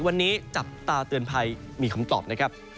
วันนี้จับตาเตือนภัยมีคำตอบนะครับ